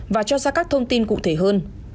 và cho ra các thông tin cụ thể hơn